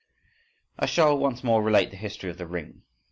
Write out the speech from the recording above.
I shall once more relate the history of the "Ring".